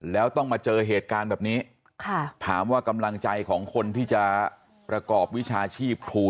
แล้วต้องมาเจอเหตุการณ์แบบนี้ถามว่ากำลังใจของคนที่จะประกอบวิชาชีพครู